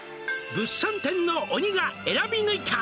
「物産展の鬼が選び抜いた」